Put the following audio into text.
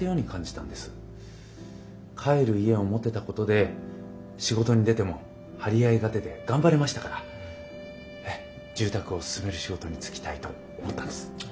帰る家を持てたことで仕事に出ても張り合いが出て頑張れましたから住宅を勧める仕事に就きたいと思ったんです。